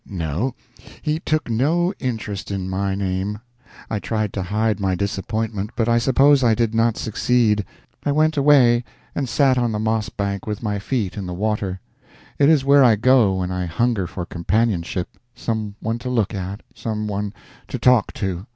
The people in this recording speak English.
No, he took no interest in my name. I tried to hide my disappointment, but I suppose I did not succeed. I went away and sat on the moss bank with my feet in the water. It is where I go when I hunger for companionship, some one to look at, some one to talk to.